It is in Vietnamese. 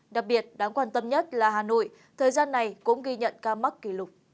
đặc biệt đáng quan tâm nhất là hà nội thời gian này cũng ghi nhận ca mắc kỷ lục